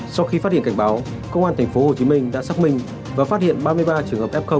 sau khi phát hiện cảnh báo công an tp hcm đã xác minh và phát hiện ba mươi ba trường hợp f